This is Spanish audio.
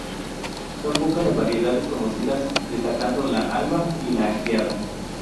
Son pocas las variedades conocidas, destacando la "alba" y la "estriada".